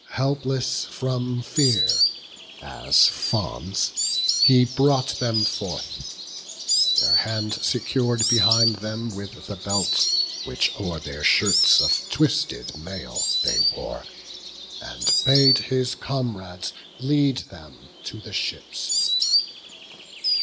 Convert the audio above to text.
Helpless from fear, as fawns, he brought them forth; Their hands secur'd behind them with the belts Which o'er their shirts of twisted mail they wore, And bade his comrades lead them to the ships.